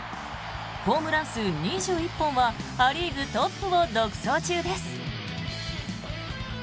ホームラン数２１本はア・リーグトップを独走中です。